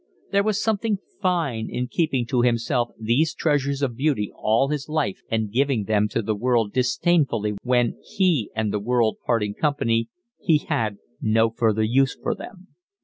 There was something fine in keeping to himself these treasures of beauty all his life and giving them to the world disdainfully when, he and the world parting company, he had no further use for them.